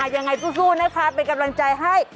ยังไงสู้นะคะเป็นกำลังใจให้